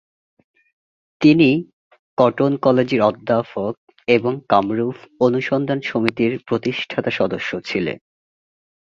তিনি কটন কলেজের অধ্যাপক এবং কামরূপ অনুসন্ধান সমিতির প্রতিষ্ঠাতা সদস্য ছিলেন।